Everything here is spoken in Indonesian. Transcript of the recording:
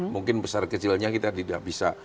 mungkin besar kecilnya kita tidak bisa